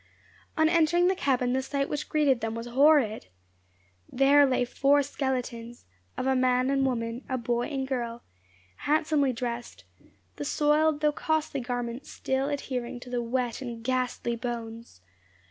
On entering the cabin the sight which greeted them was horrid. There lay four skeletons, of a man and woman, a boy and girl, handsomely dressed; the soiled though costly garments still adhering to the wet and ghastly bones.